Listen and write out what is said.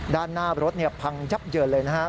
ด้านหน้ารถพังยับเยินเลยนะครับ